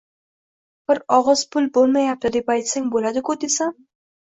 Bir og‘iz pul bo‘lmayapti deb aytsang bo‘ladiku desam